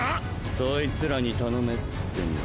そいつらに頼めっつってんだ。